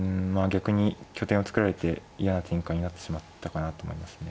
逆に拠点を作られて嫌な展開になってしまったかなと思いますね。